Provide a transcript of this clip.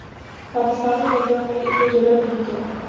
Pakistani media میں اتنی جرآت نہیں کہ